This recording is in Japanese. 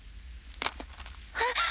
あっ！